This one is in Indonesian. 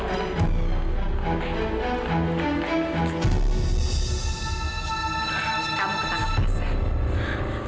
kamu ketangkap pasien